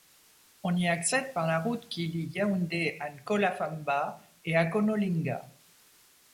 On y accède par la route qui lie Yaoundé à Nkolafamba et Akonolinga.